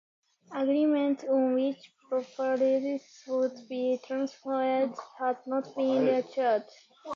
Agreement on which properties would be transferred has not been reached.